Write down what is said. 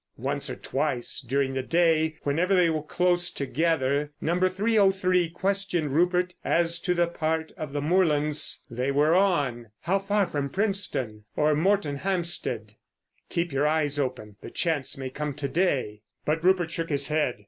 Once or twice during the day, whenever they were close together, No. 303 questioned Rupert as to the part of the moorlands they were on, how far from Princetown or Moretonhampstead. "Keep your eyes open, the chance may come to day." But Rupert shook his head.